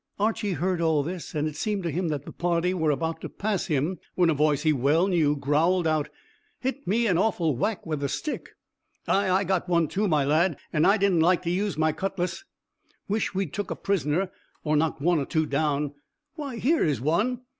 Archy heard all this, and it seemed to him that the party were about to pass him, when a voice he well knew growled out, "Hit me an awful whack with a stick." "Ay, I got one too, my lad; and I didn't like to use my cutlash." "Wish we'd took a prisoner, or knocked one or two down. Why, here is one."